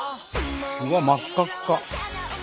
うわっ真っ赤っか。